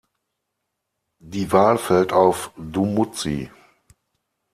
Die Wahl fällt auf Dumuzi.